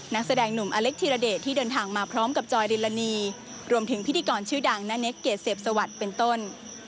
นักแสดงหนุ่มอเล็กธิรเดชที่เดินทางมาพร้อมกับจอยริลานีรวมถึงพิธีกรชื่อดังนาเนคเกจเสพสวัสดิ์เป็นต้น